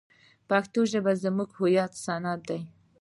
پښتو زموږ د هویت سند دی.